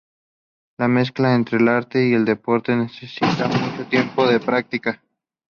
La mezcla entre el arte y el deporte necesita mucho tiempo y práctica.